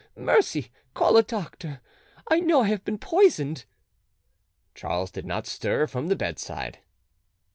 Mercy! Call a doctor: I know I have been poisoned." Charles did not stir from the bedside.